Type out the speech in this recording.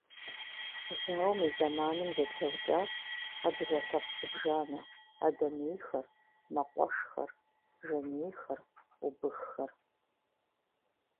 Зауэм и зэманым зэтраукӏащ адыгэ лъэпкъ зыбжанэ: адэмейхэр, мэкъуэшхэр, жанейхэр, убыххэр.